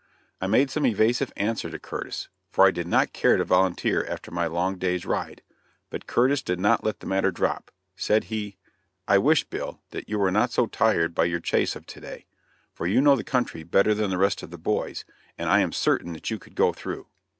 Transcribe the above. I made some evasive answer to Curtis, for I did not care to volunteer after my long day's ride. But Curtis did not let the matter drop. Said he: "I wish, Bill, that you were not so tired by your chase of to day, for you know the country better than the rest of the boys, and I am certain that you could go through."